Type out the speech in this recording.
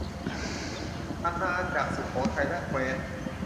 อาณาจักรสุโขทัยและแคว้น